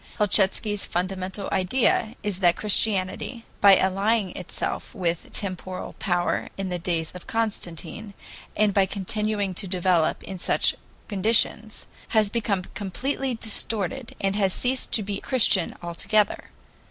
Helchitsky's fundamental idea is that Christianity, by allying itself with temporal power in the days of Constantine, and by continuing to develop in such conditions, has become completely distorted, and has ceased to be Christian altogether.